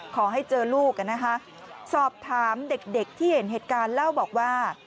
ขอให้เจอลูกนะคะสอบถามเด็กที่เห็นเหตุการณ์เล่าบอกว่า